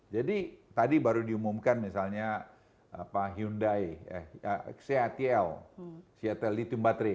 jadi tadi baru diumumkan misalnya hyundai xhtl xhtl lithium battery